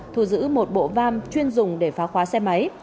thu giữ một bộ vam chuyên dùng để phá khóa xe máy